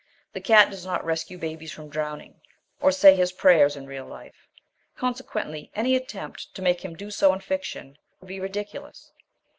The cat does not rescue babies from drowning or say his prayers in real life; consequently any attempt to make him do so in fiction would be ridiculous.